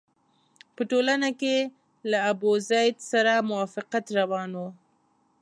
په ټولنه کې له ابوزید سره موافقت روان وو.